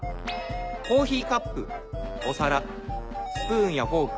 コーヒーカップお皿スプーンやフォーク